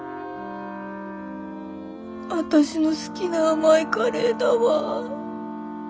私の好きな甘いカレーだわ。